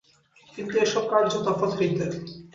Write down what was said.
কিন্তু এ সব কার্য তফাৎ হইতে।